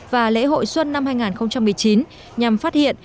và lễ hội xuân năm hai nghìn một mươi chín nhằm phát hiện